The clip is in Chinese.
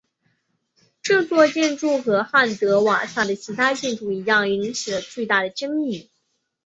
这座建筑和汉德瓦萨的其他建筑一样引起了巨大的争议。